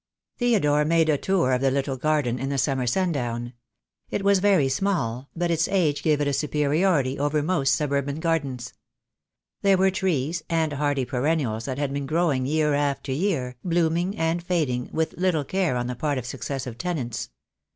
Theodore made a tour of the little garden in the summer sundown. It was very small, but its age gave it a superiority over most suburban gardens. There were trees, and hardy perennials that had been growing year after year, blooming and fading, with little care on the part of successive tenants.